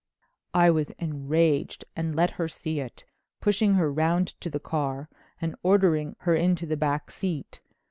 "I was enraged and let her see it, pushing her round to the car and ordering her into the back seat.